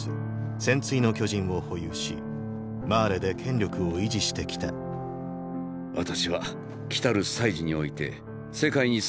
「戦鎚の巨人」を保有しマーレで権力を維持してきた私は来る「祭事」において世界にすべてを明かすつもりだ。